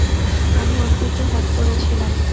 আমি ওর দিকে তাক করেচিলাম।